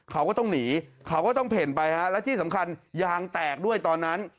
เขาก็ต้องหนีเขาก็ต้องเผ่นไปฮะและที่สำคัญยางแตกด้วยตอนนั้น